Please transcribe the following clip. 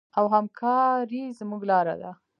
او همکاري زموږ لاره ده.